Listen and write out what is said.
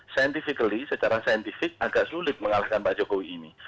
scientifically secara saintifik agak sulit mengalahkan pak jokowi ini